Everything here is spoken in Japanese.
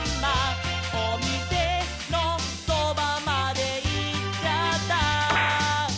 「おみせのそばまでいっちゃった」